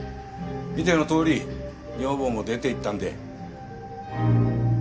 見てのとおり女房も出て行ったんで。